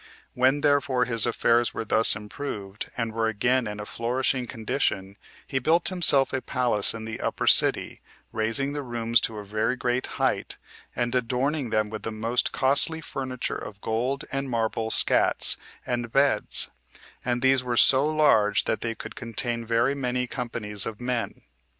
When therefore his affairs were thus improved, and were again in a flourishing condition, he built himself a palace in the upper city, raising the rooms to a very great height, and adorning them with the most costly furniture of gold, and marble scats, and beds; and these were so large that they could contain very many companies of men.